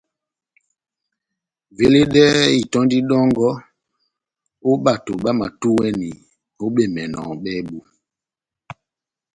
Veledɛhɛ itɔ́ndi dɔ́ngɔ ó bato bámatúwɛni ó bemɛnɔ bábu.